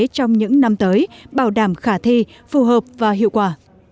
trong những năm tới bảo đảm khả thi phù hợp và hiệu quả